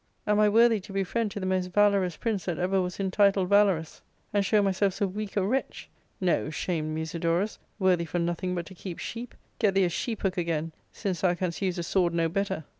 Am I worthy to be friend to the most valorous prince that ever was intituled valorous, and show myself so weak a wretch ? No, shamed Musidorus, worthy for nothing but to keep sheep ; get thee a sheephook again, since thou canst use a sword no better."